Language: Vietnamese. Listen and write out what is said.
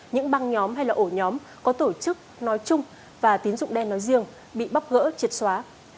những băng nhóm hay là ổ nhóm có tổ chức nói chung và tín dụng đen nói riêng bị bóc gỡ triệt xóa